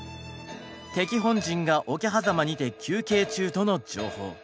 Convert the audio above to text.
「敵本陣が桶狭間にて休憩中」との情報。